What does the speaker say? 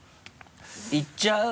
いっちゃう？